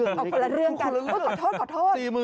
เอาคนละเรื่องกันขอโทษขอโทษ